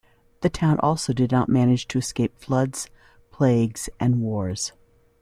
The town also did not manage to escape floods, plagues and wars.